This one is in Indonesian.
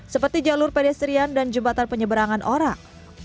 seperti jalur pedestrian dan jembatan penyeberangan orang